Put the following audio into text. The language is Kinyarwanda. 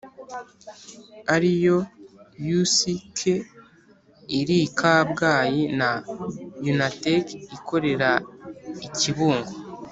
Ariyo uck iri i kabgayi na unatek ikorera i kibungo